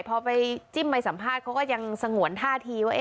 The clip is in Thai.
พอไปจิ้มไปสัมภาษณ์เขาก็ยังสงวนท่าทีว่า